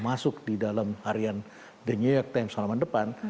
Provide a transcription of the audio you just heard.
masuk di dalam harian the new york times halaman depan